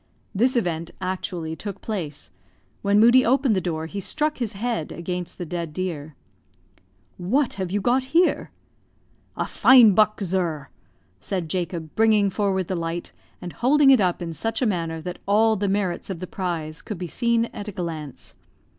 This event actually took place. When Moodie opened the door, he struck his head against the dead deer. "What have you got here?" "A fine buck, zur," said Jacob, bringing forward the light, and holding it up in such a manner that all the merits of the prize could be seen at a glance.